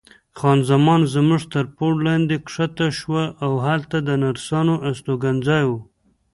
خان زمان زموږ تر پوړ لاندې کښته شوه، هلته د نرسانو استوګنځای و.